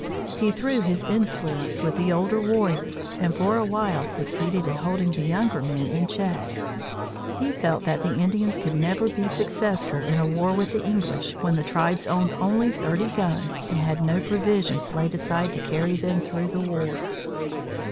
He threw his influence with the older warriors, and for a while succeeded in holding the younger men in check. He felt that the Indians could never be successful in a war with the English when the tribe owned only thirty guns and had no provisions laid aside to carry them through the war.